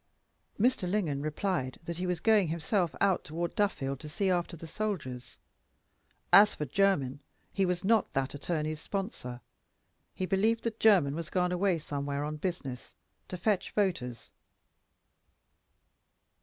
Mr. Lingon replied that he was going himself out toward Duffield to see after the soldiers. As for Jermyn, he was not that attorney's sponsor; he believed that Jermyn was gone away somewhere on business to fetch voters.